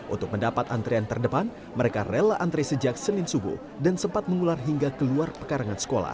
untuk mendapat antrian terdepan mereka rela antre sejak senin subuh dan sempat mengular hingga keluar pekarangan sekolah